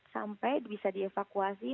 sampai bisa dievakuasi